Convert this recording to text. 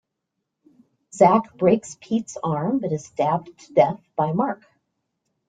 Zack breaks Pete's arm but is stabbed to death by Marc.